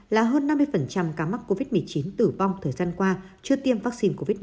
là hơn năm mươi ca mắc covid một mươi chín tử vong thời gian qua chưa tiêm vaccine covid một mươi